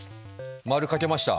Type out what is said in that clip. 丸描けました！